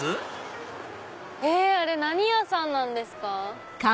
あれ何屋さんなんですか？